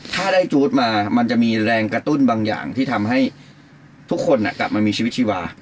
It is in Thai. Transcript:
ถ้าได้จู๊ดมามันจะมีแรงกระตุ้นบางอย่างที่ทำให้ทุกคนกลับมามีชีวิตชีวา